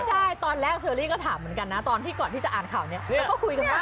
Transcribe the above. เจ้าไล่เธอได้ก็ถามเหมือนกันนะตอนก่อนที่จะอ่านข่าวเนี่ย